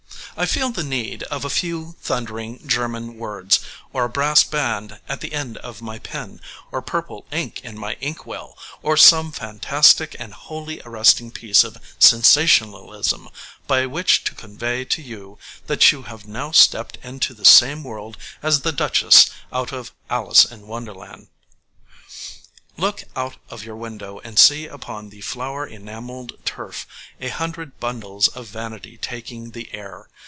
I feel the need of a few thundering German words, or a brass band at the end of my pen, or purple ink in my inkwell, or some fantastic and wholly arresting piece of sensationalism by which to convey to you that you have now stepped into the same world as the Duchess out of 'Alice in Wonderland.' [Illustration: {A head dress for a woman}] Look out of your window and see upon the flower enamelled turf a hundred bundles of vanity taking the air.